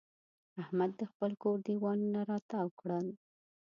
احمد د خپل کور دېوالونه را تاوو کړل.